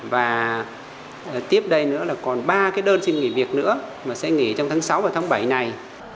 và tiếp đây nữa là còn ba cái đơn xin nghỉ việc nữa mà sẽ nghỉ trong tháng sáu và tháng bảy này